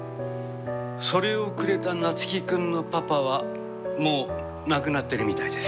それをくれた夏樹君のパパはもう亡くなってるみたいです。